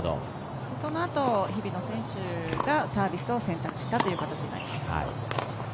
そのあと日比野選手がサービスを選択したという形になります。